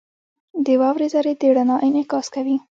• د واورې ذرې د رڼا انعکاس کوي.